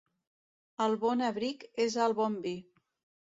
El bon abric és el bon vi.